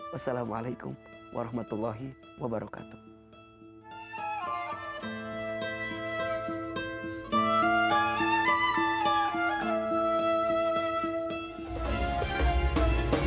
wassalamualaikum warahmatullahi wabarakatuh